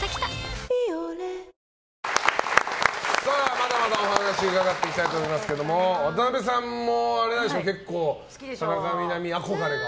まだまだ、お話伺っていきたいと思いますけど渡邊さんも結構、田中みな実憧れが。